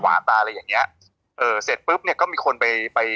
ไม่ได้ไม่มนตร์ก็ไม่ได้นะพี่หนุ่มเนาะ